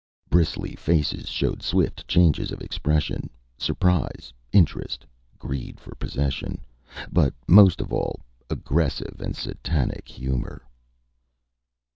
Bristly faces showed swift changes of expression: surprise, interest, greed for possession but most of all, aggressive and Satanic humor.